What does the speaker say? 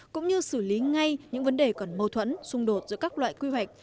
cũng như xử lý ngay những vấn đề còn mâu thuẫn xung đột giữa các loại quy hoạch